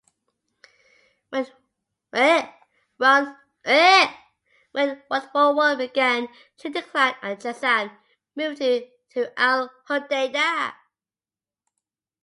When World War One began, trade declined at Jazan, moving to Al Hudaydah.